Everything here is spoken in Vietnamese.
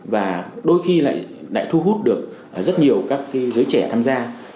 và đôi khi lại thu hút được rất nhiều các cái giới trẻ tham gia